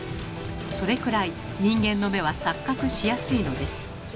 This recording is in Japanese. それくらい人間の目は錯覚しやすいのです。